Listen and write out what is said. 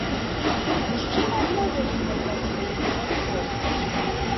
Мужчына адмовіўся назваць свае імя і прозвішча.